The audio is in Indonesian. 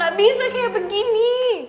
gak bisa kayak begini